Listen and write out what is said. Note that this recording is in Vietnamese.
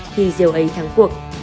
thì diều ấy thắng cuộc